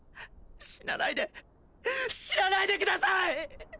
死なないで死なないでください！